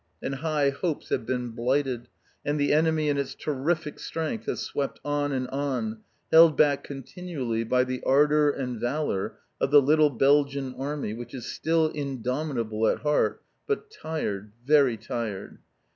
And high hopes have been blighted, and the enemy in its terrific strength has swept on and on, held back continually by the ardour and valour of the little Belgian Army which is still indomitable at heart, but tired, very tired.